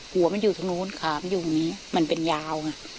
หัวมันอยู่ทางโน้นขามอยู่ตรงนี้มันเป็นยาวอ่ะ